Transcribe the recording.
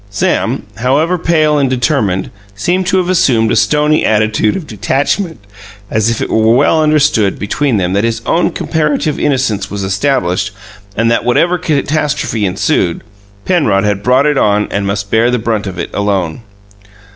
Sam, however, pale and determined, seemed to have assumed a stony attitude of detachment, as if it were well understood between them that his own comparative innocence was established, and that whatever catastrophe ensued, Penrod had brought it on and must bear the brunt of it alone.